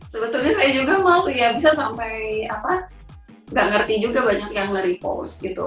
sebetulnya saya juga mau ya bisa sampai nggak ngerti juga banyak yang nge repost gitu